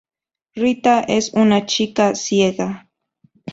Rita es una chica ciega.